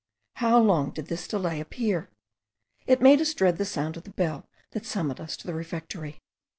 How long did this delay appear! It made us dread the sound of the bell that summoned us to the refectory.